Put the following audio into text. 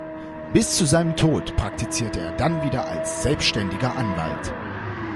Bis zu seinem Tod praktizierte er dann wieder als selbständiger Anwalt.